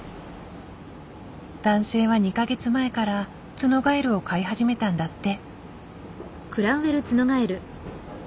男性は２か月前からツノガエルを飼い始めたんだって。